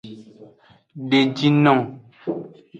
Deji nung.